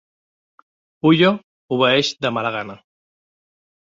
Pullo obeeix de mala gana.